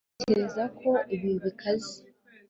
ntekereza ko ibi bikaze